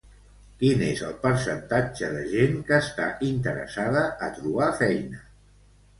Quin és el percentatge de gent que està interessada a trobar feina?